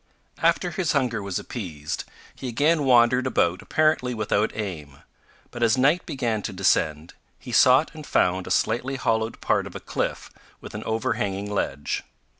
After his hunger was appeased, he again wandered about apparently without aim; but as night began to descend, he sought and found a slightly hollowed part of a cliff with an overhanging ledge.